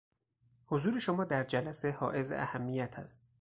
حضور شما در جلسه حائز اهمیت است.